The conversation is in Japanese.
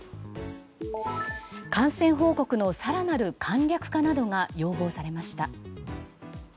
感染報告の更なる簡略化などが要望されました。